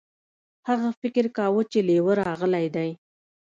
هغه فکر کاوه چې لیوه راغلی دی.